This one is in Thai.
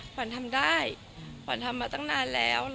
ขวัญทำได้ขวัญทำมาตั้งนานแล้ว